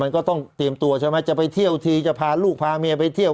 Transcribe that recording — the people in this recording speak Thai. มันก็ต้องเตรียมตัวใช่ไหมจะไปเที่ยวทีจะพาลูกพาเมียไปเที่ยว